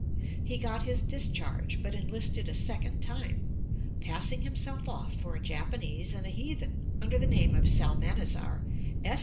He got his discharge, but enlisted a second time, 'passing himself off for a Japanese and a heathen, under the name of Salmanazar' (pp.